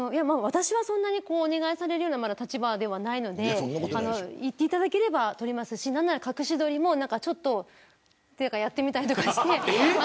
私はお願いされるような立場ではないので言っていただければ撮りますしなんなら隠し撮りもポーズをとってみたりとかして。